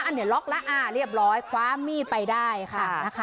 อันนี้ล็อกแล้วอ่าเรียบร้อยคว้ามีดไปได้ค่ะนะคะ